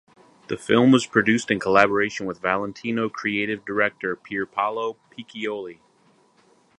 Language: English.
The film was produced in collaboration with Valentino creative director Pierpaolo Piccioli.